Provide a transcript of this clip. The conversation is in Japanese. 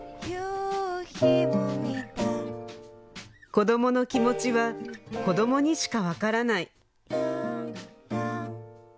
子どもの気持ちは子どもにしかわからない